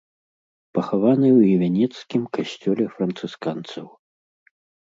Пахаваны ў івянецкім касцёле францысканцаў.